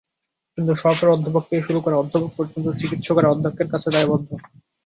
কিন্তু সহকারী অধ্যাপক থেকে শুরু করে অধ্যাপক পর্যন্ত চিকিৎসকেরা অধ্যক্ষের কাছে দায়বদ্ধ।